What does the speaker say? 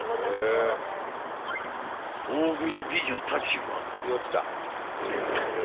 ［大食い美女たちは？］